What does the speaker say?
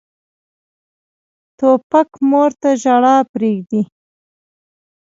توپک مور ته ژړا پرېږدي.